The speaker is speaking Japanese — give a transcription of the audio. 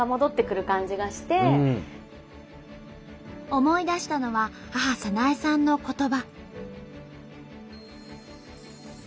思い出したのは母早苗さんの言葉。